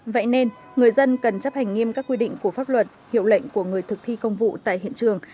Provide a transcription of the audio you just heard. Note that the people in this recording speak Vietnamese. vậy nên người dân cần chấp hành nghiêm các quy định của pháp luật hiệu lệnh của người thực thi công vụ tại hiện trường